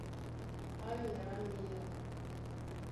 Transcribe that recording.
Á nyǎ mǐlá.